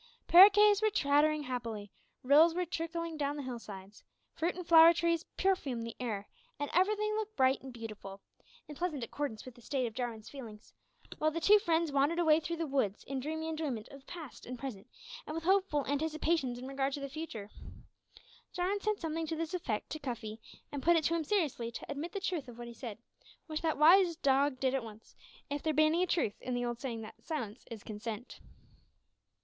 Paroquets were chattering happily; rills were trickling down the hillsides; fruit and flower trees perfumed the air, and everything looked bright and beautiful in pleasant accordance with the state of Jarwin's feelings while the two friends wandered away through the woods in dreamy enjoyment of the past and present, and with hopeful anticipations in regard to the future. Jarwin said something to this effect to Cuffy, and put it to him seriously to admit the truth of what he said, which that wise dog did at once if there be any truth in the old saying that "silence is consent."